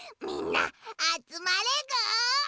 みんなあつまれぐ！